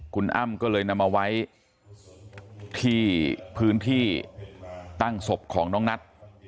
คุณอ้ำก็เลยนำมาไว้ที่พื้นที่ตั้งศพของน้องนัท